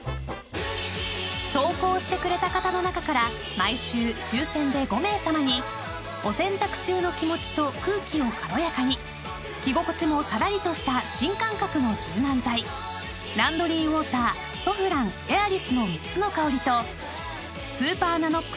［投稿してくれた方の中から毎週抽選で５名さまにお洗濯中の気持ちと空気を軽やかに着心地もさらりとした新感覚の柔軟剤ランドリーウォーターソフランＡｉｒｉｓの３つの香りとスーパーＮＡＮＯＸ